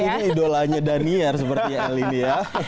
ini idolanya daniel seperti el ini ya